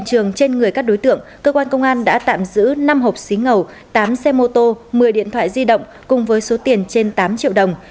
với các đối tượng cơ quan công an đã tạm giữ năm hộp xí ngầu tám xe mô tô một mươi điện thoại di động cùng với số tiền trên tám triệu đồng